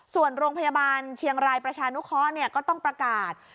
ส่วนโรงพยาบาลเชียงรายประชานุเคราะห์ก็ต้องประกาศ